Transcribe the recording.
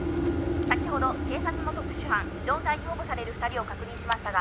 「先ほど警察の特殊班機動隊に保護される２人を確認しましたが」